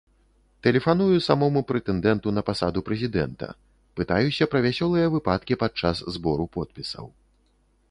Тэлефаную самому прэтэндэнту на пасаду прэзідэнта, пытаюся пра вясёлыя выпадкі падчас збору подпісаў.